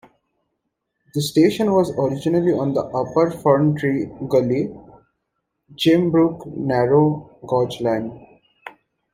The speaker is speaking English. The station was originally on the Upper Ferntree Gully - Gembrook narrow gauge line.